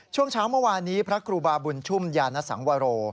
ช่วงเช้าเมื่อวานนี้พระครูบาบุญชุ่มยานสังวโร